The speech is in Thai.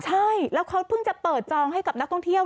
ใช่แล้วเขาเพิ่งจะเปิดจองให้กับนักท่องเที่ยว